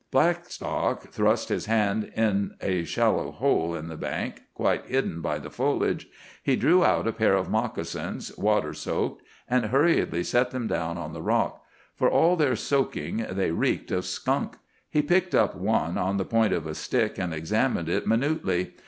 Blackstock thrust his hand into a shallow hole in the bank quite hidden by the foliage. He drew out a pair of moccasins, water soaked, and hurriedly set them down on the rock. For all their soaking, they reeked of skunk. He picked up one on the point of a stick and examined it minutely.